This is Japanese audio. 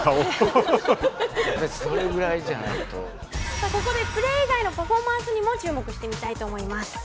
さあここでプレー以外のパフォーマンスにも注目してみたいと思います。